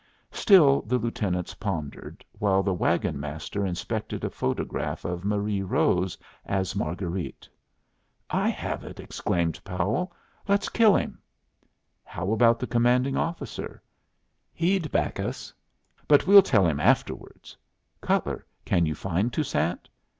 Still the lieutenants pondered, while the wagon master inspected a photograph of Marie Rose as Marguerite. "I have it!" exclaimed Powell. "Let's kill him." "How about the commanding officer?" "He'd back us but we'll tell him afterwards. Cutler, can you find Toussaint?"